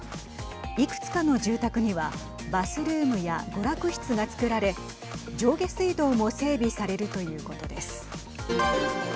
いくつかの住宅にはバスルームや娯楽室がつくられ上下水道も整備されるということです。